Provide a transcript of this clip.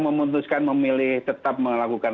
memutuskan memilih tetap melakukan